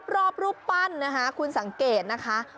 รอบรูปปั้นคุณสังเกตนะคะ